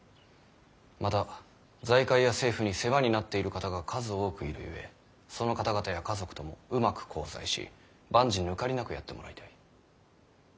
また財界や政府に世話になっている方が数多くいるゆえその方々や家族ともうまく交際し万事抜かりなくやってもらいたい。